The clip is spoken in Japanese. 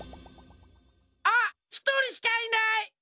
あっひとりしかいない！